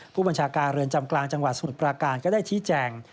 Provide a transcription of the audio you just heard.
ผู้บัญชาการเรือนจำกลางจังหวัดสมุทรปราการก็ได้ชี้แจง